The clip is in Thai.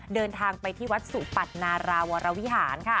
เดินทางไปที่วัดสุปัตนาราวรวิหาร